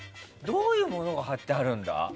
どういうものが貼ってあるんだ？